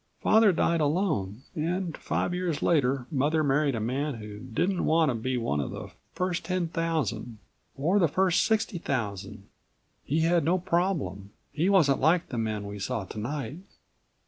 Father died alone, and five years later Mother married a man who didn't want to be one of the first ten thousand or the first sixty thousand. He had no problem. He wasn't like the men we saw tonight."